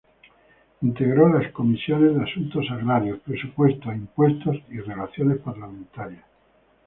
Integró las comisiones de Asuntos Agrarios, Presupuesto e Impuestos y Relaciones Parlamentarias.